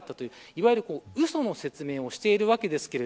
いわゆる、うその説明をしているわけです。